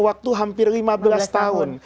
waktu hampir lima belas tahun